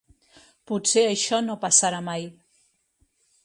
Potser això no passarà mai.